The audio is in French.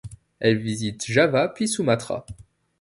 Elle visite Java puis Sumatra.